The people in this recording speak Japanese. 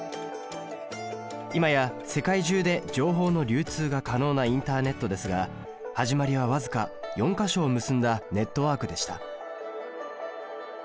今や世界中で情報の流通が可能なインターネットですが始まりは僅か４か所を結んだネットワークでした。